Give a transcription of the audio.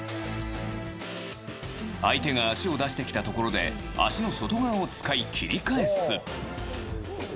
相手が足を出してきたところで足の外側を使い切り返す。